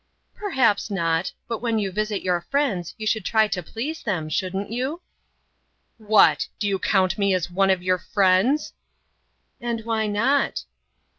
"Perhaps not, but when you visit your friends you should try to please them, shouldn't you?" "What! Do you count me as one of your friends?" "And why not?"